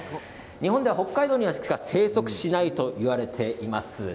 日本では北海道にしか生息しないと言われています。